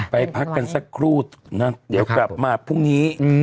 ไปพักกันสักครู่นะเดี๋ยวกลับมาพรุ่งนี้